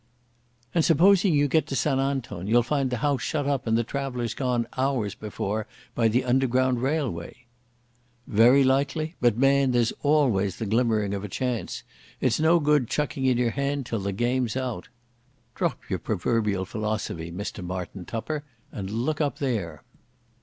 "And supposing you get back to St Anton, you'll find the house shut up and the travellers gone hours before by the Underground Railway." "Very likely. But, man, there's always the glimmering of a chance. It's no good chucking in your hand till the game's out." "Drop your proverbial philosophy, Mr Martin Tupper, and look up there."